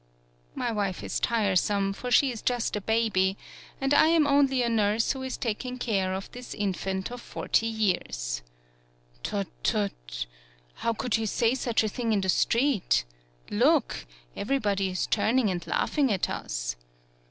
My wife is tiresome, for she is just a baby, and I am only a nurse who is taking care of this infant of forty years, "Tut! tut! How could you say such a thing in the street ? Look, everybody is turning and laughing at us."